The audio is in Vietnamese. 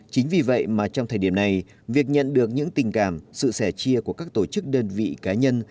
chính vì vậy mà trong thời điểm này việc nhận được những tình cảm sự sẻ chia của các tổ chức đơn vị cá nhân